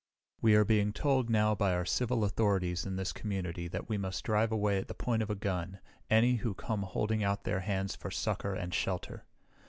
"We are being told now by our civil authorities in this community that we must drive away at the point of a gun any who come holding out their hands for succor and shelter.